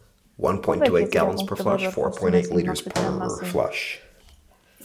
- Ո՞վ է քեզ իրավունք տվել, որ խոսում ես իմ մաքրության մասին…